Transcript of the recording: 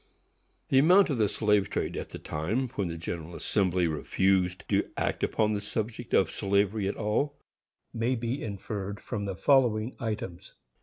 The amount of the slave trade at the time when the General Assembly refused to act upon the subject of slavery at all, may be inferred from the following items.